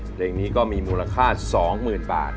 เพลงนี้ก็มีมูลค่า๒๐๐๐บาท